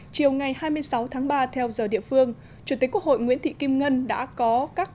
chiều ngày hai mươi sáu tháng ba theo giờ địa phương chủ tịch quốc hội nguyễn thị kim ngân đã có các